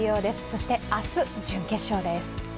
そして明日、準決勝です。